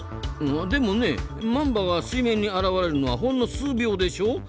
でもねマンバが水面に現れるのはほんの数秒でしょ？